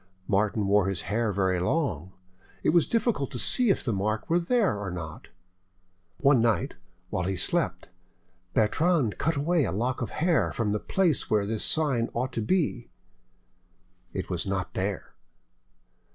Martin wore his hair very long, it was difficult to see if the mark were there or not. One night, while he slept, Bertrande cut away a lock of hair from the place where this sign ought to be—it was not there!